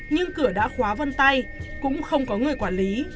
nhưng cửa đã khóa vân tay cũng không có người quản lý